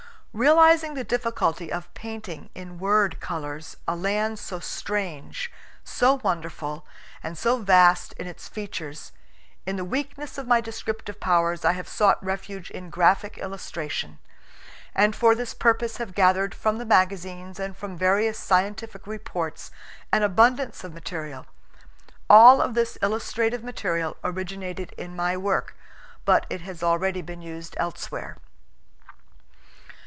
Realizing the difficulty of painting in word colors a land so strange, so wonderful, and so vast in its features, in the weakness of my descriptive powers I have sought refuge in graphic illustration, and for this purpose have gathered from the magazines and from various scien PREFACE. V tific reports an abundance of material. All of this illustrative material originated in my work, but it has already been used elsewhere.